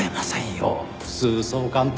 普通そう簡単には。